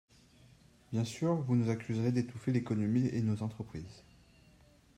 Bien sûr, vous nous accuserez d’étouffer l’économie et nos entreprises.